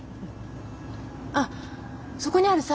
あっそこにあるさ